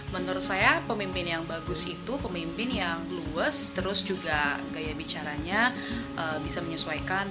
menurut saya pemimpin yang bagus itu pemimpin yang luwes terus juga gaya bicaranya bisa menyesuaikan